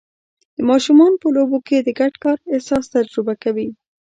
ماشومان په لوبو کې د ګډ کار احساس تجربه کوي.